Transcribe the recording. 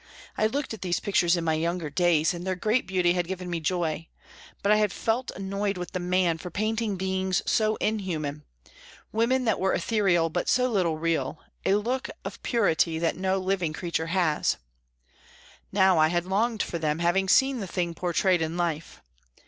I had looked at these pictures in my younger days, and their great beauty had given me joy, but I had felt annoyed with the man for painting beings so inhuman, women that were ethereal but so little real, a look of purity that no living creature has. Now I had longed for them, having seen the thing portrayed in life.